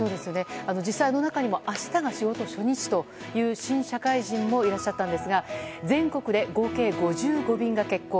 実際あの中にも明日が仕事初日という新社会人もいらっしゃったんですが全国で合計５５便が欠航。